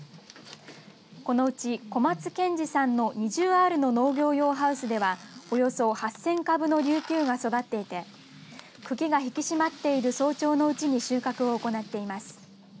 このうち小松健二さんの２０アールの農業用ハウスではおよそ８０００株のリュウキュウが育っていて茎が引き締まっている早朝のうちに収穫を行っています。